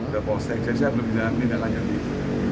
udah polsek jadi saya belum bisa nindahkan lagi